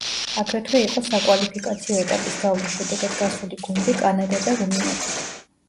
აგრეთვე ორი საკვალიფიკაციო ეტაპის გავლის შედეგად გასული გუნდი კანადა და რუმინეთი.